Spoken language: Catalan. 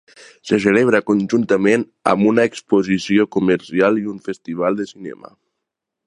Se celebra conjuntament amb una exposició comercial i un Festival de cinema.